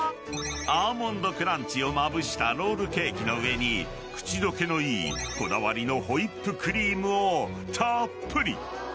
［アーモンドクランチをまぶしたロールケーキの上に口溶けのいいこだわりのホイップクリームをたーっぷり］